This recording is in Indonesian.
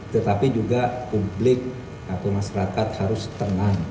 tetapi juga publik atau masyarakat harus tenang